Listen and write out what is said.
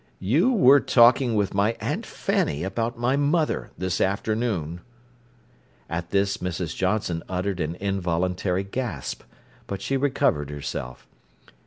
"You were talking with my Aunt Fanny about my mother this afternoon." At this Mrs. Johnson uttered an involuntary gasp, but she recovered herself.